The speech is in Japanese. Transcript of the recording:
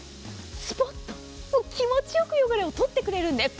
スポッと気持ちよく汚れを取ってくれるんです。